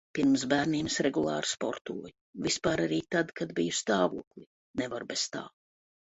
Pirms bērniem es regulāri sportoju, vispār arī tad, kad biju stāvoklī, nevaru bez tā.